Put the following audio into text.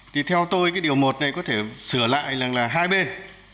thì theo tôi cái điều một này có thể sửa lại rằng là hai bên